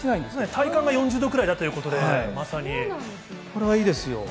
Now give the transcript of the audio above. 体感が４０度くらいというここれはいいですよ。